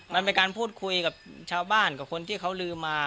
มันเป็นการพูดคุยกับชาวบ้านกับคนที่เขาลืมมา